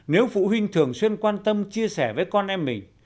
nếu phụ huynh thường xuyên quan tâm chia sẻ với con em mình